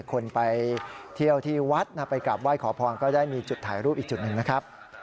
คนไปเที่ยวที่วัดนะไปกลับไหว้ขอพรก็ได้มีจุดถ่ายรูปอีกจุดหนึ่งนะครับ